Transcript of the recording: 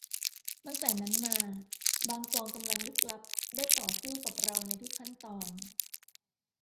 ตั้งแต่นั้นมาบางกองกำลังลึกลับได้ต่อสู้กับเราในทุกขั้นตอน